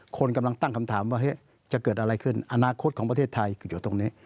คนกำลังตั้งคำถามว่าจะเกิดอะไรขึ้นอนาคตของประเทศไทยอยู่ตรงนี้